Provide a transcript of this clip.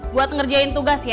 buat ngerjain tugas ya